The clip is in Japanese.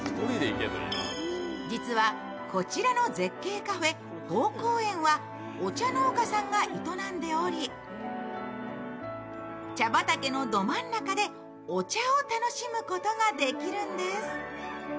実はこちらの絶景カフェ、豊好園はお茶農家さんが営んでおり、茶畑のど真ん中でお茶を楽しむことができるんです。